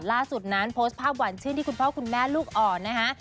ล่าสุดนั้นโพสต์ภาพหวานชื่นที่คุณพ่อคุณแม่ลูกอ่อนนะคะ